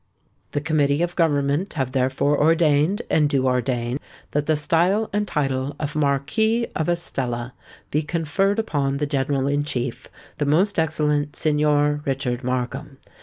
"The Committee of Government have therefore ordained, and do ordain, that the style and title of Marquis of Estella be conferred upon the General in Chief, the most Excellent Signor Richard Markham.